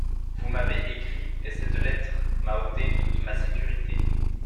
Vous m’avez écrit… et cette lettre m’a ôté toute ma sécurité…